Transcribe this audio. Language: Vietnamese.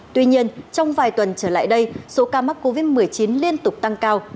tuy nhiên trong vài tuần trở lại đây số ca mắc covid một mươi chín liên tục tăng cao